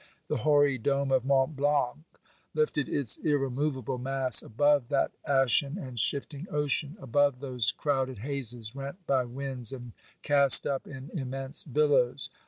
The hoary dome of Mont Blanc lifted its irremovable mass above that ashen and shifting ocean, above those crowded hazes rent by winds and cast up in immense billows.